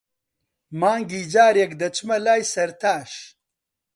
مانگی جارێک، دەچمە لای سەرتاش.